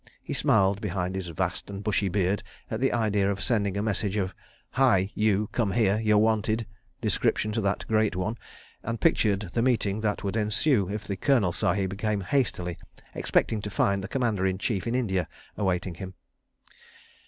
He smiled behind his vast and bushy beard at the idea of sending a message of the "Hi! you—come here! You're wanted" description to that Great One, and pictured the meeting that would ensue if the Colonel Sahib came hastily, expecting to find the Commander in Chief in India awaiting him.